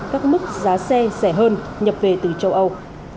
các mức giá xe rẻ hơn nhập về từ châu âu